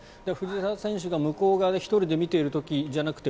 藤澤選手が向こう側で１人で見てる時じゃな